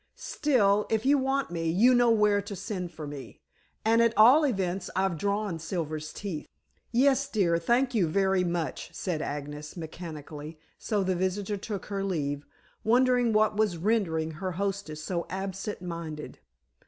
Still, if you want me, you know where to send for me, and at all events I've drawn Silver's teeth." "Yes, dear; thank you very much," said Agnes mechanically, so the visitor took her leave, wondering what was rendering her hostess so absent minded.